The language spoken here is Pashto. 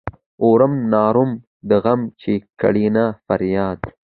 اورم نارې د غم چې کړینه فریاد.